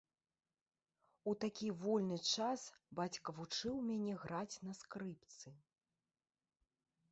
У такі вольны час бацька вучыў мяне граць на скрыпцы.